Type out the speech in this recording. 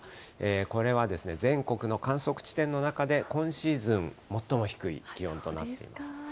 これは全国の観測地点の中で、今シーズン最も低い気温となっています。